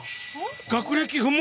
学歴不問